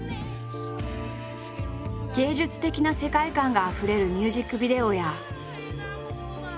芸術的な世界観があふれるミュージックビデオや。